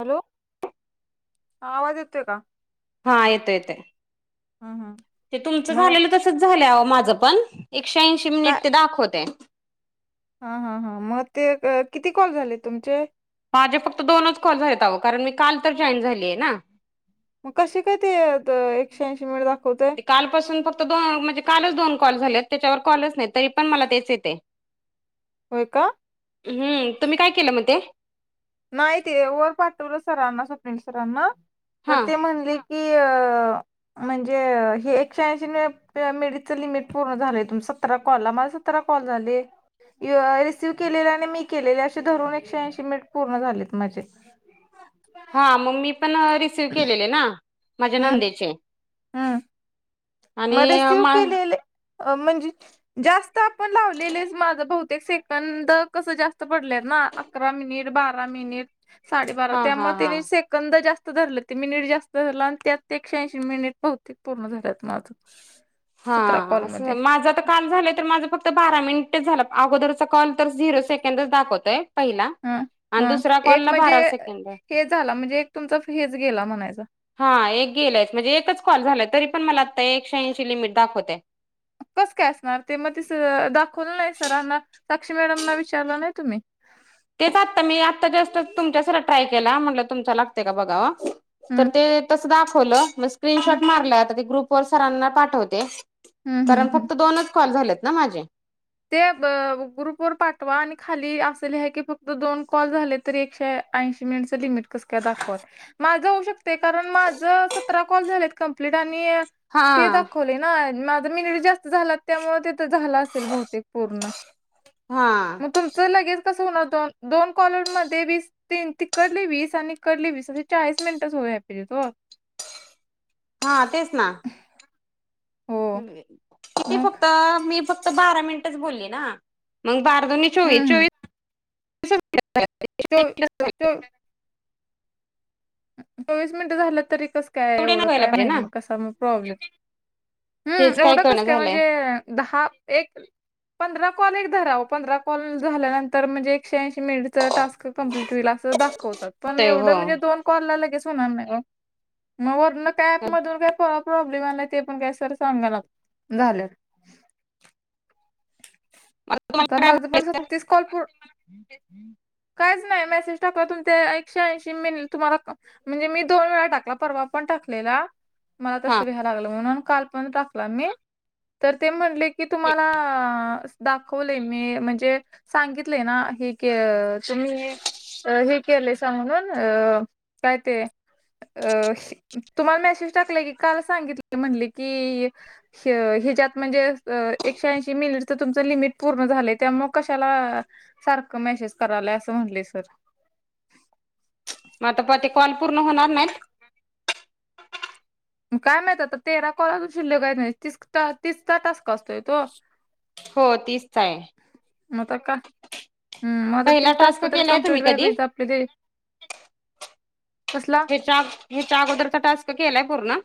Hello हा आवाज येतोय का? हा येतय येतय हम्म हम्म ते तुमचं मग झालेलं तसच झालंय आहो माझं पण एकशे ऐंशी काय मिनिट ते दाखवतय. हा हा हा मग ते अ किती कॉल झाले तुमचे माझे फक्त दोनच कॉल झालेत आहो कारण मी काल तर जॉईन झाले ना. म कशे काय ते द एकशे ऐंशी मिनिटं दाखवतय. ते कालपासून फक्त दो म्हणजे कालच दोन कॉल झालेत त्याच्यावर कॉलच नाय तरी पण मला तेच येतय. होय का. हम्म तुम्ही काय केलं म ते नाय ते वर पाठवलं सरांना स्वप्नील सरांना तर हा ते म्हणले की अ म्हणजे हे एकशे ऐंशी ने ते मिनिटं च लिमिट पूर्ण झालंय तुम सतरा कॉलला मला सतरा कॉल झाले. य रिसिव्ह केलेल आणि मी केलेले असे धरून एकशे ऐंशी मिनिट पूर्ण झालेत माझे. हा मंग मी पण रिसीव केलेले ना माझ्या नंदेचे हम् म आणि रेसीव मा केलेले म्हणजे जास्त आपण लावलेलेच माझ बहुतेक से कंद कसं जास्त पडलेत ना अकरा मिनिट बारा मिनिट साडेबारा हा हा त्यामुळ हा. त्यानी सेंकं कंद जास्त धरलं ते मिनिट जास्त धरलं आणि त्यात ते एकशे ऐंशी मिनिट बहुतेक पूर्ण झाल्यात माझं. हा सतरा अस कॉलमध्ये माझं आता काल झालं तर माझं फक्त बारा मिनिटच झाला अगोदरचा कॉल तर झिरो सेकंडच दाखवतय. पहिला ह आणि ह दुसरा कॉल एक ला म्हणजे बारा सेकंड हे झाला म्हणजे एक तुमचा हेच गेला म्हणायच. हा एक गेलायच म्हणजे एकच कॉल झालाय तरी पण मला आता एकशे ऐंशी लिमिट दाखवतय. कस काय असणार ते म तिस दाखवलं नाय सरांना साक्षी मॅडमना विचारलं नाय तुम्ही. तेच आत्ता मी आत्ता जस्ट च तुमच्यासार ट्राय केला म्हणलं तुमचा लागतय का बघावा. तर हम्म ते तसं दाखवलं म हम्म स्क्रीनशॉट मारलाय आता ते ग्रुपवर सरांना पाठवते. हम्म हम्म कारण हम्म फक्त दोनच कॉल झालेत ना माझे. ते ब ग्रुप वर पाठवा आणि खाली अस लीहा की फक्त दोन कॉल झालेत. तरी एकशे ऐंशी मिनींटच लिमिट कस काय दाखवा माझ होऊ शकत ते कारण सतरा कॉल झालेत कंप्लेट आणि हा हे दाखवलंय नाही माझ मिनिट जास्त झाल्यात त्यामुळे तिथं झाला असेल बहुतेक पूर्ण. हा. मग तुमचं लगेज कसं होणार दो दोन कॉलन मध्ये वीस तीन तिकडली वीस आणि कडले वीस असे चाळीस मिनिटच होऊया पाहिजे तो. हा तेच ना. हो किती मग फक्त मी फक्त बारा मिनिटच बोलली ना मग बारा दोन चोवीस हम्म हम्म चोवीसच हुयाला पाहिजेत. तेव तेव चोवीस मिनिटं झालं तरी कस काय एवढे नाही एवढं व्हायला काय पाहिजे माहित ना. मग कसा मग प्रॉब्लेम. हम्म तेच एवढं कस करणं काय झालंय म्हणजे दहा एक पंधरा कॉल एक धराव पंधरा कॉल झाल्यानंतर म्हणजे एकशेऐंशी मिनिटच टास्क क कमंप्लीट हुईल अस दाखवतात. पण होतय हो. एवढं म्हणजे दोन कॉलला लगेच होणार नाही ओ म वरण काय अँप आता मधून काय पर प्रॉब्लेम आलाय ते पण काय सर सांगानात झाल्यात. तर तुम्हाला काय माझ पण बोलायचं सतीस कॉल पू काय नाही मेसेज टाकवा तुम ते एकशे ऐशी म तुम्हाला म्हणजे मी दोन वेळा टाकला परवा पण टाकलेला. मला हा. तस व्याय लागलं म्हणून काल पण टाकला मी तर ते म्हटले की तुम्हाला अ दाखवले मी म्हणजे सांगितले ना हे की तुम्ही हे केलयसा म्हणून अ काय ते अ तुम्हाला मेसेज टाकला की काल सांगितले म्हणले की ह हेजात म्हणजे एकशे आंशी मिनिटच तुमच लिमिट पूर्ण झालंय त्या मुळ कश्याला सारखं मेसेज करालाय असं म्हटले सर. म तर प ते कॉल पूर्ण होणार नाहीत? म काय माहत आता तेरा कॉल अजू शिल्लक हायत न्हवे तीसका तीसचा तासक असतोय तो. हो तीसचा आहे. मग आता का पहिला टास्क केलाय तुमी कधी? कदी. हे चाग हेच्या अगोदरचा टास्क केलाय पूर्ण?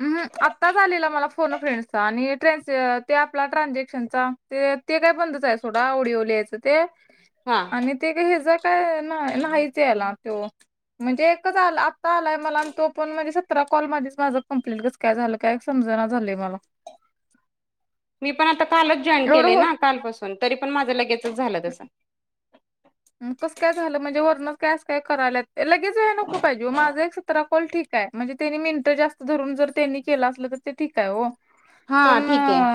उम हम आत्ताच आलेला मला फोन फ्रेंडसचा आणि ट्र ते आपला ट्रानझॅक्शनचा. ते ते काय बंदच आहे सोडा ओडिओ लिहायचं ते. हा. आणि ते ग हेजा काय नाही नाहीच यायला तो. म्हणजे एकच आलं आत्ता आलाय मला आणि तो पण म्हणजे सतरा कॉलमध्ये माझं कंप्लीट कस काय झालं काय समजना झालंय मला. मी पण आता कालच जॉईन एवढं केलेय होत ना कालपसून तरी पण माझं लगेचच झालं तसं. कसं काय झालं म्हणजे वर्ण कायस काय करायल्यात लगेच व्हाय नको पाहिजे ओ माझं एक तरा कॉल ठीक आहे म्हणजे त्यांनी मिनिट जास्त धरून जर त्यांनी केलं असलं तर ते ठीक आहे ओ. हा पण. ठीक आहे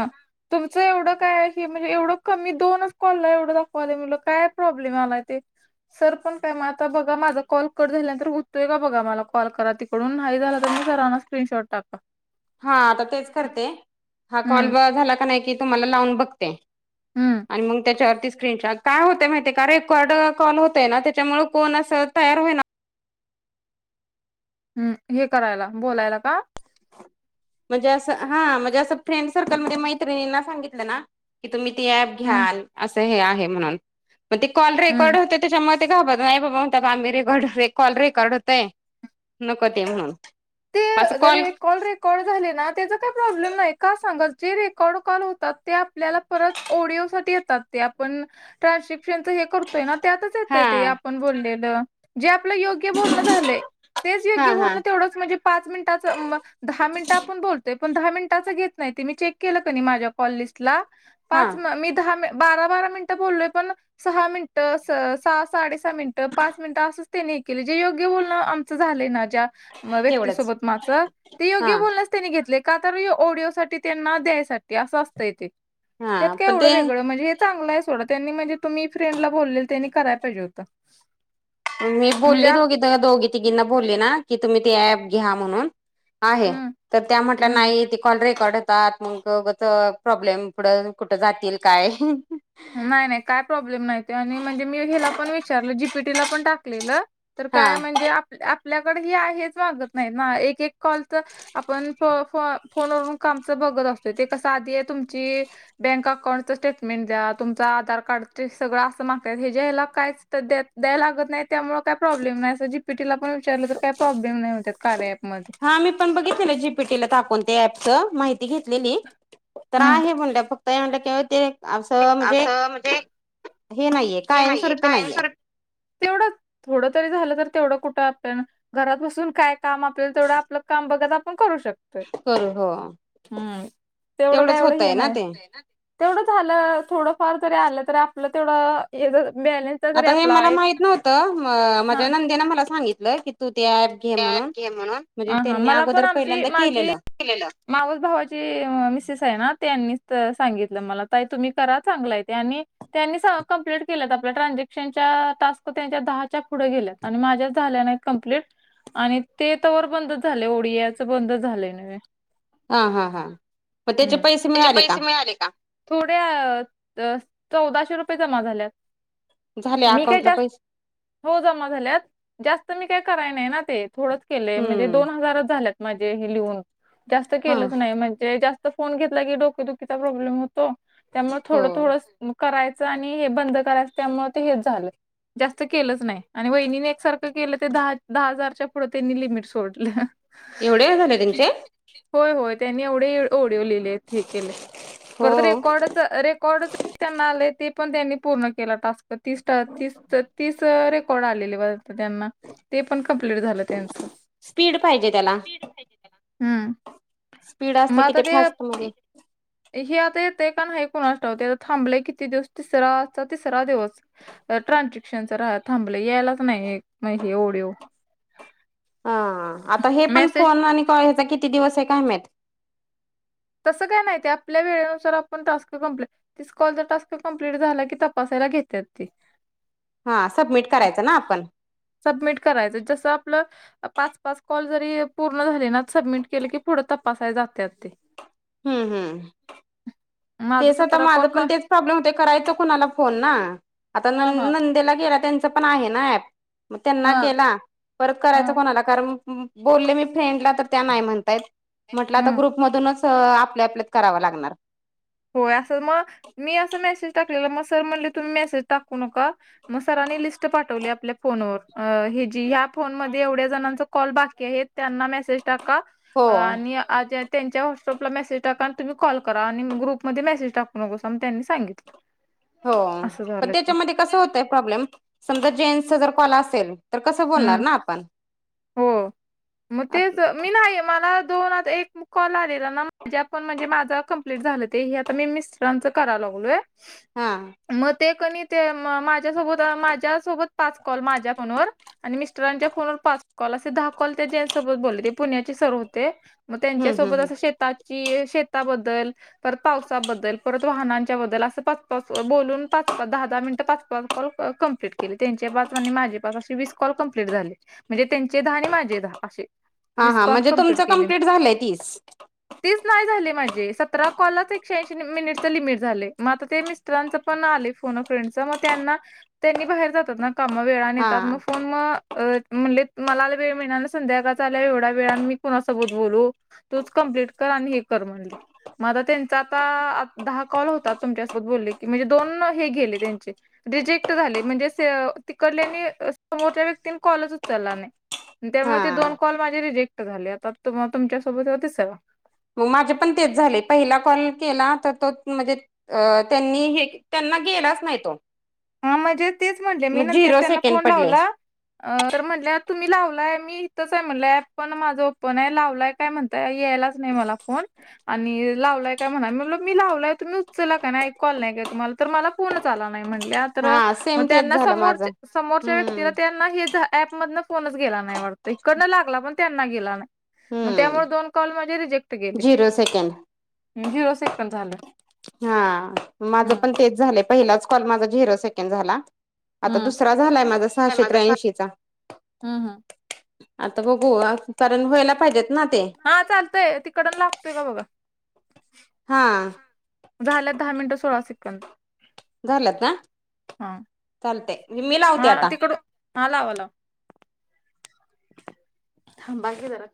तुमचं एवढं काय हे म्हणजे एवढं कमी दोनच कॉलला एवढं दाखवाले मुलं काय प्रॉब्ले लेम आलाय ते. सर पण काय म आता बघा माझा कॉल कट झाल्यानंतर हुतोय का बघा मला कॉल करा ती पणून नाही झाला तर म सरांना स्क्रीनशॉट टाका. हा आता तेच करते हा कॉल हम्म झाला कणी कि तुम्हाला लावून बघते. हम्म आणि मग त्याच्या वरतीच. स्क्रीन काय होत माहितीय का रेकॉर्ड कॉल होतय ना त्याच्यामुळे कोण अस तयार होईना. हम्म हे करायला बोलायला का. म्हणजे असं हा म्हणजे असं फ्रेंड सर्कलमध्ये मैत्रिणींना सांगितलं ना. की तुम्ही ती अँप घ्या हम्म अस हे आहे म्हणून मग ते कॉल हम्म रेकॉर्ड होत्यात. त्याच्यामुळे ते घाबरतात नाही बाबा म्हणत्यात आम्ही रेकॉर्ड कॉल रेकॉर्ड होतय. नको ते म्हणून. ते असं कॉल जरी कॉलरे. रेकॉर्ड झाले ना त्याचा काही प्रॉब्लेम नाही का सांगत जे रेकॉर्ड कॉल होतात ते आपल्याला परत. ऑडिओ साठी येतात ते आपण. ट्रान्सश्रप्शनच हे करतोय ना त्यातच हा येतय ते आपण बोललेलं. जे आपलं योग्य बोलणं झालंय तेच हा योग्य हा बोलणं तेवढं म्हणजे पाच मिनिटाच मग. दहा मिनिटं आपण बोलतोय पण दहा मिनिटाचं घेत नाही ते मी चेक केलं कनाय माझ्या कॉल लिस्टला. हा पाच मी दहा मी बारा बारा मिनिटं बोललोय पण. सहा मिनिटं सहा साडे सहा मिनिटं पाच मिनिटं असंच त्यांनी केले जे योग्य बोलणं आम ''--'' च झालंय ना ज्या म व्यक्ती तेवढंच सोबत माझं ते हा योग्य बोलनच. त्यांनी घेतले का तर ओडिओ साठी त्यांना द्यायसाठी असं असतंय ते. त्यात हा काय पण एवढं ते वेगळं म्हणजे हे चांगलं आहे सोडा. त्यांनी म्हणजे तुम्ही फ्रेंडला बोलले त्यांनी कराय पाहिजे होत. मी बोलली दोघी त दोघी तिघींना बोलली ना की तुम्ही ते अँप घ्या म्हणून. आहे हम्म तर त्या म्हटल्या हम्म नाही ती. कॉल रेकॉर्ड होतात मग उगाच प्रॉब्लेम पुढं कुठं जातील काय. नाही नाही काय प्रॉब्लेम नाही ते आणि म्हणजे मी हेला पण विचारलं जीपीटीला पण टाकलेलं. तर हा काय म्हणजे आपल्या आपल्याकडे ही आहेच वागत नाही ना एक एक कॉलच. आपण फो फो फोनवरून कामच बघत असतोय ते कस आधी तुमची. बँक अकाउंटच स्टेटमेंट द्या. तुमच आधार कार्ड ते सगळं असं मागत्यात हे ज्या ह्याला काहीच दया दया द्याय लागत नाहीत. त्यामुळे काय प्रॉब्लेम नाही अस जीपीटीला पण विचारलं तर काही प्रॉब्लेम नाही होत कार्या अँपमध्ये. हा मी आपण बघितले जीपीटीला टाकून त्या अँपच माहिती घेतलेली तर हं आहे म्हणल्या फक्त. म्हणलं कि ते असं म्हणजे असं म्हणजे हे नाहीये कायमस्वरूपी नाहीये. तेवढ थोडं तरी झालं तर तेवढं कुठं आपल्यान घरात बसून काय. काम आपलेल तेवढं आपलं काम बघत आपण करू शकतो. करू हो हम्म तेवढं काय तेवढंच एवढं हे होतय ना नाही. ते तेवढं झालं थोडंफार जरी आलं तरी आपलं तेवढ बॅलस. आता हे मला माहित नव्हतं मा हा माझ्या नंदेन मला सांगितलं की तू ते ॲप. ते ॲप घे म्हणून. पहिल्यांदा केलेलं माऊस भावाची अ मिसेस आहे ना त्यांनीच त सांगितलं मला ताई तुम्ही करा चांगलाय ते आणि. त्यांनी सा कंप्लीट केलेत आपल्या ट्रान्झॅक्शनच्या टास्क त्यांच्या दहाच्या पुढे गेल्यात आणि माझ्याच झाल्या नाही. कंप्लीट. आणि ते तवर बंद झाले ओडियाच बंद झालंय नव्हे. हा हा हा मग पैसे त्याचे मिळाले का पैसे मिळाले का. थोड्या त चौदाशे रुपये जमा झाल्यात. झाले मी काय अकाउंटला जास्त पैसे हो जमा झाल्यात जास्त मी काय कराय नाही ना ते. थोडच केलंय म्हणजे हम्म दोन हजारच झाल्यात माझे हे लिहून जास्त हा केलंच नाही म्हणजे जास्त. त फोन घेतला की डोकदुखीचा प्रॉब्लेम होतो त्यामुळे हो थोडं थोडंच. करायचं आणि हे बंद करायचं त्यामुळे ते हेच झाल. जास्त केलंच नाही आणि वहिनीने एकसारखं केलं ते दहा दहा हजारच्या पुढे त्यांनी लिमिट सोडलं. एवढे झाले त्यांचे? होय, होय त्यांनी एवढे ओडिओ लिहिले हे केले हो परत रेकॉर्डच रेकॉर्डच त्यांना आले ते पण त्यांनी पूर्ण केला टास्क ती तीस तीस रेकॉर्ड आलेली बरेच त्यांना. ते पण कमप्लीट झालं त्यांच, स्पीड पाहिजे त्याला हम्म. स्पीड मग असलं कि आता ते फास्ट मध्ये हे आता येते का नाही कुणास ठावते थांबले किती दिवस तिसरा आजचा तिसरा दिवस ट्रानझॅक्शनच रा थांबलं यायलाच नाही. ओढीओ. ह आता हे पण मेसेज फोन आणि कॉल आता किती दिवस आहे काय माहित. तसं काय नाही ते आपल्या वेळेनुसार आपण टास्क कमप्लीट तिस कॉलचा टास्क कम्प्लीट झाला की तपासायला घेतात ते. हा सबमिट करायचं ना आपण. सबमिट करायचं जसं आपलं पाच, पाच कॉल जरी पूर्ण झाले ना सबमिट केले की पुढं तपासायला जात्यात ते. हम्म, हम्म. माझं तेच आता सतरा माझ कॉल क पण तेच प्रॉब्लेम होते करायच कोणाला फोन ना आता न हा हा नंदेला गेला तेपण आहे ना ऍप त्यांना हा केला परत हा करायच कोणाला कारण बोले मी फ्रेंडला तर त्या नाही म्हणतायेत म्हटल आता हम्म ग्रुप मधूनच आपल्या, आपल्यात कराव लागणार. होय असं मग मी असं मेसेज टाकलेला मग सर म्हणले तुम्ही मेसेज टाकू नका. मग सरांनी लिस्ट पाठवली आपल्या फोनवर ह्या फोन मध्ये एवढ्या जणांचं कॉल बाकी आहेत त्यांना मेसेज टाका हो आणि त्यांच्या व्हॉट्सअपला मेसेज टाका तुम्ही कॉल करा आणि ग्रुप मध्ये मेसेज टाकू नकोसं म त्यांनी सांगितलं. हो असं पण झालं ते त्याच्यामध्ये कसं होतंय प्रॉब्लेम समजा जेन्सचा जर काॅल असेल तर कसं बोलणार हम्म ना आपण. हो मग तेच मी नाही मला दोन आता एक मग कॉल आलेला ना माझ्या पण म्हणजे माझा कंप्लीट झालं ते आता मी मिस्टरांचं कराय लागलोय. हा.. मग ते कणी ते माझ्यासोबत, माझ्यासोबत पाच कॉल माझ्या फोनवर आणि मिस्टरांच्या फोनवर पाच काॅल असे दहा कॉल त्यांच्या सोबत बोलले ते पुण्याचे सर होते मग हम्म त्यांच्यासोबत हम्म अस श शेता बद्दल, परत पावसाबद्दल, परत वाहनांच्या बद्दल असं पाच, पाच बोलून पाच, पाच, दहा, दहा मिनटं पाच, पाच कॉल कम्प्लीट त्यांचे पाच माझे पाच असे वीस कॉल कंप्लीट झाले म्हणजे त्यांचे दहा आणि माझे दहा असे हा वीस हां कॉल म्हणजे तुमचं केले कम्प्लीट झालंय तीस? तीच नाही झाले माझे सतरा कॉललाच एकशेऐंशी मिनिटच लिमिट झाले मग आता ते मि मिस्टरांच पण आलेय फोन अ फ्रेंडच मग त्यांना त्यांनी बाहेर जातात ना काम वेळान हा येतात मग फोन मग म्हणलेत मलाला वेळ मिळणार नाही संध्याकाळ आल्या एवढ्या वेळ आ मी कुणासोबोत बोलू. तुच कम्प्लीट कर आणि हे कर म्हणले. मग आता त्यांचा आता दहा कॉल होतात तुमच्यासोबत बोलले की म्हणजे दोन हे गेले त्यांचे. रिजेक्ट झाले, म्हणजे तिकडल्यांनी, स-समोरच्या व्यक्तीनं कॉलच उच चला नाही, त्यामुळे ते हा दोन कॉल माझे रिजेक्ट झाले. आता त-तुमच्यासोबत हा तिसरा. माझे पण तेच झाले, पहिला कॉल केला तर तो म्हणजे अ-त्यांनी हे-त्यांना गेलाच नाही तो. हा, म्हणजे तेच म्हणले, मी मग नंतर झिरो त्यांना सेकंड फोन पडले लावला अ-तर म्हणल्या तुम्ही लावलाय, मी इथंच आहे म्हटलं, ऍप पण माझं ओपन आहे. लावलाय काय म्हणताय, यायलाच नाही मला फोन. आणि लावलाय काय म्हणता, म्हणलं मी लावलाय, तुम्ही उचलला का नाही? ऐकू आलं नाही काय तुम्हाला? तर, मला फोनच आला नाही म्हटल्या. तर, हा मं सेम तेच त्यांना झालं माझं समोर-समोरच्या व्यक्तीला, हम्म त्यांना हे ऍपमधनं फोनच गेला नाही वाटतं. इकडनं लागला, पण त्यांना गेला नाही, मं हम्म त्यामुळं दोन कॉल माझे रिजेक्ट गेले. झिरो सेकंड झिरो सेकंड पण झालं. हा, माझं हम्म पण तेच झालंय, पहिलाच कॉल माझा झिरो सेकंड झाला. आता हम्म दुसरा झालाय माझा काय सहाशे माझा सा- त्र्यांशीचा. हम्म हम्म आता बघू, कारण, व्हायला पाहिजेत ना ते? हा चालतंय, तिकडनं लागतोय का बघा? हा. झाली आहेत दहा मिनिटं सोळा सेकंद. झालेत ना? हा चालतंय, म्हणजे मी लावते हा आता. तिकड हा, लावा लाव. थांबा की जरा.